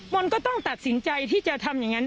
มันก็ต้องตัดสินใจที่จะทำอย่างนั้น